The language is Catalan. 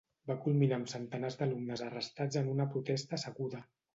Va culminar amb centenars d'alumnes arrestats en una protesta asseguda.